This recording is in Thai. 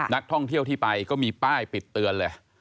นักท่องเที่ยวที่ไปก็มีป้ายปิดเตือนเลย